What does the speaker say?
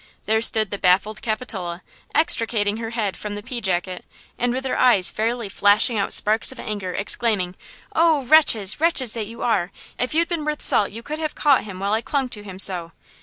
There stood the baffled Capitola, extricating her head from the pea jacket, and with her eyes fairly flashing out sparks of anger, exclaiming, "Oh, wretches! wretches that you are! If you'd been worth salt you could have caught him while I clung to him so!"